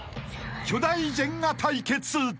［巨大ジェンガ対決］